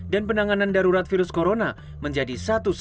dan penanganan darurat virus corona menjadi satu ratus sembilan belas